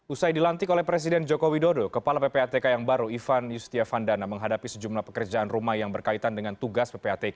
usai dilantik oleh presiden joko widodo kepala ppatk yang baru ivan yustiavandana menghadapi sejumlah pekerjaan rumah yang berkaitan dengan tugas ppatk